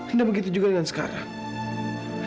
tidak begitu juga dengan sekarang